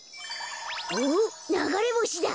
おっながれぼしだ。